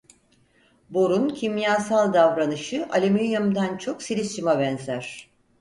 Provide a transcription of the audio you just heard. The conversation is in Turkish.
Borun kimyasal davranışı alüminyumdan çok silisyuma benzer.